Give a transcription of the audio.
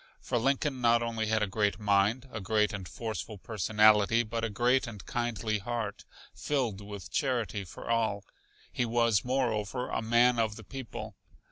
For Lincoln not only had a great mind, a great and forceful personality, but a great and kindly heart, filled with charity for all. He was, moreover, a man of the people.